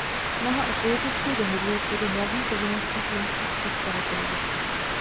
Snaha o politickou dohodu je tedy hlavní povinností keňských představitelů.